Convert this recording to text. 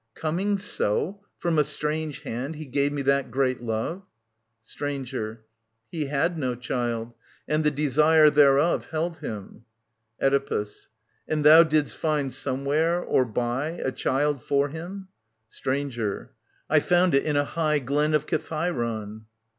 Coming so. From a strange hand, he gave me that great love ? Stranger. He had no child, and the desire thereof Held him. Oedipus. And thou didst find somewhere — or buy — A child for him ? Stranger. I found it in a high Glen of Kithairon.